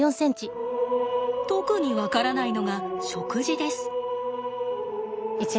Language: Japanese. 特に分からないのが食事です。